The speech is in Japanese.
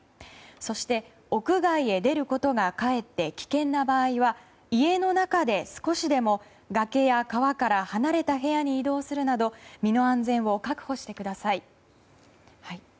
そして、屋外へ出ることがかえって危険な場合は家の中で少しでも崖や川から離れた部屋に移動するなど身の安全を確保してください。